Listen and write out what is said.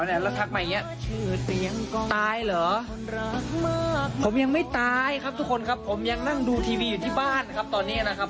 หรือว่าผมตายแล้วผมยังไม่รู้สึกตัวหรืออะไร